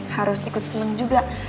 harus ikut seneng juga